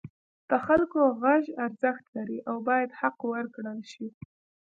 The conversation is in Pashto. د خلکو غږ ارزښت لري او باید حق ورکړل شي.